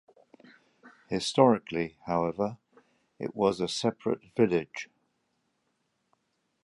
Historically, however, it was a separate village.